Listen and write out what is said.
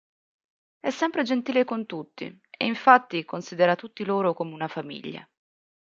È sempre gentile con tutti e infatti considera tutti loro come una famiglia.